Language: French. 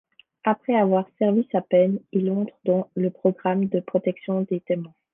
Après avoir servi sa peine, il entre dans le programme de protection des témoins.